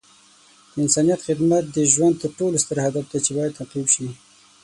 د انسانیت خدمت د ژوند تر ټولو ستر هدف دی چې باید تعقیب شي.